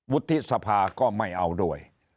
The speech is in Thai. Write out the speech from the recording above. วุฒิสภาก็ไม่เอาด้วย